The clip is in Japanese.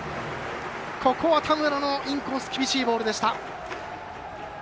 ここは田村のインコース厳しいボールでした。